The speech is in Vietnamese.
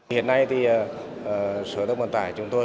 hiện nay sở giao thông vận tải chúng tôi